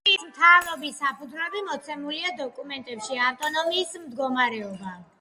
კატალონიის მთავრობის საფუძვლები მოცემულია დოკუმენტში „ავტონომიის მდგომარეობა“.